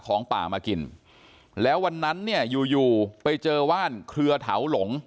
ของป่ามากินแล้ววันนั้นเนี่ยอยู่อยู่ไปเจอว่านเครือเถาหลง